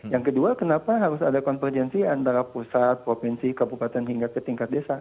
yang kedua kenapa harus ada konvergensi antara pusat provinsi kabupaten hingga ke tingkat desa